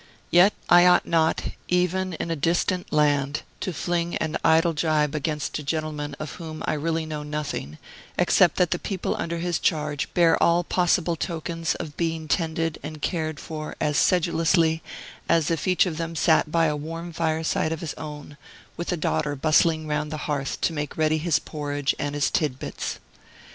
Yet I ought not, even in a distant land, to fling an idle gibe against a gentleman of whom I really know nothing, except that the people under his charge bear all possible tokens of being tended and cared for as sedulously as if each of them sat by a warm fireside of his own, with a daughter bustling round the hearth to make ready his porridge and his titbits.